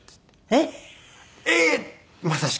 「えっ！」。